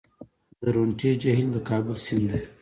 د درونټې جهیل د کابل سیند دی